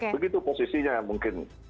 begitu posisinya yang mungkin